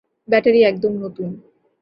Battery একদম নতুন।